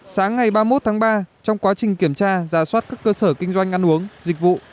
sáng ngày ba mươi một tháng ba trong quá trình kiểm tra giả soát các cơ sở kinh doanh ăn uống dịch vụ